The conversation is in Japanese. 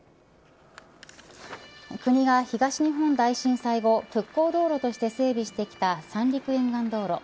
国が東日本大震災後復興道路として整備してきた三陸沿岸道路。